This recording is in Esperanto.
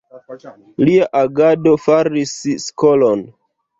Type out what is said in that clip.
Lia agado faris skolon.